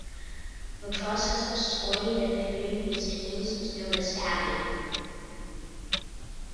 The process of scoring and pairing these teams is known as "tabbing".